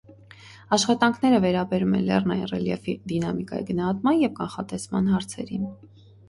Աշխատանքները վերաբերում են լեռնային ռելիեֆի դինամիկայի գնահատման և կանխատեսման հարցերին։